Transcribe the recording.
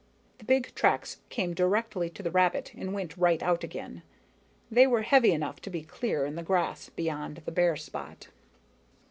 The big tracks came directly to the rabbit and went right out again. They were heavy enough to be clear in the grass beyond the bare spot.